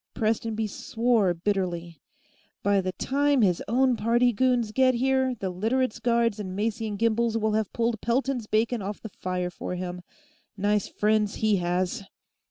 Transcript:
Prestonby swore bitterly. "By the time his own party goons get here, the Literates' Guards and Macy & Gimbel's will have pulled Pelton's bacon off the fire for him. Nice friends he has!"